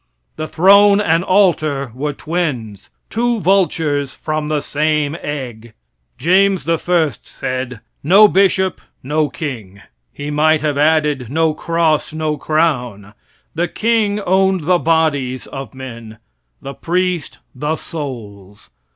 The throne and altar were twins two vultures from the same egg. James I said: "No bishop; no king." He might have added: No cross, no crown. The king owned the bodies of men; the priest, the souls.